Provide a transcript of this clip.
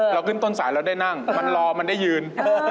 เราขึ้นต้นสายเราได้นั่งมันรอมันได้ยืน